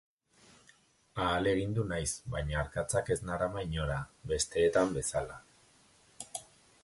Ahalegindu naiz, baina arkatzak ez narama inora, besteetan bezala...